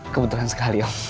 kebetulan sekali om